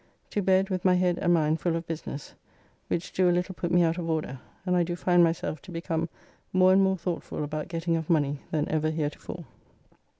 To bed with my head and mind full of business, which do a little put me out of order, and I do find myself to become more and more thoughtful about getting of money than ever heretofore.